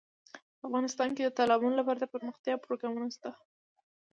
افغانستان کې د تالابونه لپاره دپرمختیا پروګرامونه شته.